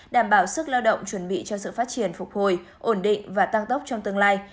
đảm bảo sức lao động chuẩn bị cho sự phát triển phục hồi ổn định và tăng tốc trong tương lai